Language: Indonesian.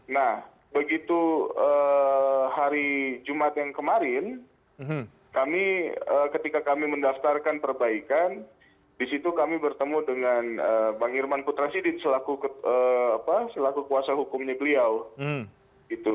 nah begitu hari jumat yang kemarin kami ketika kami mendaftarkan perbaikan di situ kami bertemu dengan bang irman putra sidit selaku kuasa hukumnya beliau